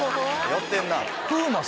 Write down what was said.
寄ってんな。